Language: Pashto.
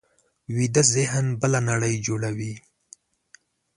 ویده ذهن بله نړۍ جوړوي